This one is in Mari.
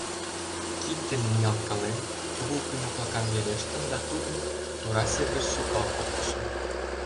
Кид дене ниялткален, кугу кӱ моклакам верештым да тудым тура сер гыч шӱкал колтышым.